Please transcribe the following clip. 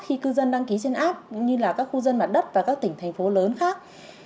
khi cư dân đăng ký trên app như là các khu dân mặt đất và các tỉnh thành phố lớn khác